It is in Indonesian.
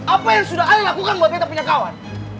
apa yang sudah ale lakukan buat betamu punya kawan